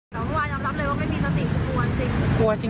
กับเมื่อวานยำรับเลยว่าไม่มีสติฟรมประกวันจริง